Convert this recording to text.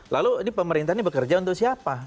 lalu ini pemerintah ini bekerja untuk siapa